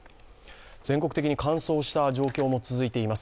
全国的に乾燥した状況も続いています。